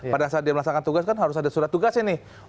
pada saat dia melaksanakan tugas kan harus ada surat tugasnya nih